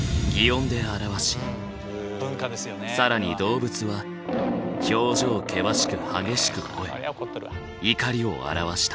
更に動物は表情険しく激しくほえ怒りを表した。